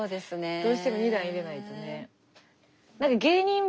どうしても２段入れないとね。